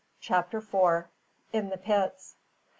CHAPTER FOUR. IN THE PITS.